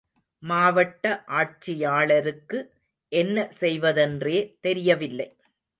மாவட்ட ஆட்சியாளருக்கு, என்ன செய்வதென்றே தெரியவில்லை.